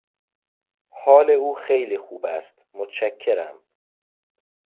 حال او خیلی خوب است، متشکرم.